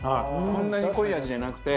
そんなに濃い味じゃなくて。